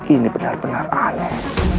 ini benar benar aneh